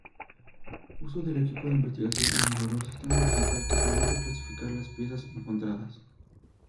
Uso del equipo de investigación innovador sistema digital que permite clasificar las piezas encontradas.